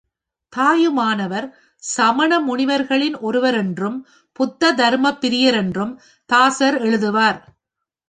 தாயுமானவர் சமண முனிவர்களில் ஒருவரென்றும் புத்த தருமப் பிரியரென்றும் தாசர் எழுதுவார்.